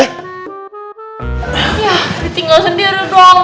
ya ditinggal sendiri doang